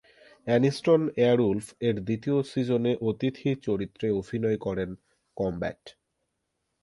Aniston "এয়ারউলফ" এর দ্বিতীয় সিজনে অতিথি চরিত্রে অভিনয় করেন, "কমব্যাট!